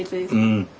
うん。